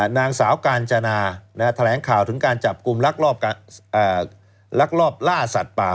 นางสาวกาญจนาแถลงข่าวถึงการจับกลุ่มลักลอบลักลอบล่าสัตว์ป่า